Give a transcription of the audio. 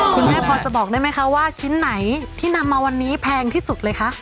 คุณแม่พอจะบอกได้ไหมคะว่าชิ้นไหนที่นำมาวันนี้แพงที่สุดเลยคะ